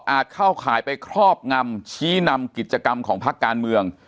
เข้าข่ายไปครอบงำชี้นำกิจกรรมของพักการเมือง